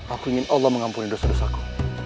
aku ingin allah mengampuni dosa dosa aku